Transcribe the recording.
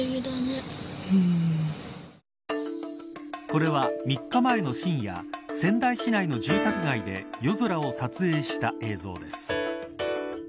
これは、３日前の深夜仙台市内の住宅街で夜空を撮影した映像です。